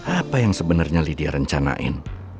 apa yang sebenarnya lydia rencanain